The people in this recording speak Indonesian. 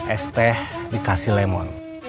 es teh dikasih lemon